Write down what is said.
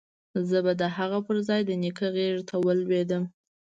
زه به د هغه پر ځاى د نيکه غېږې ته ولوېدم.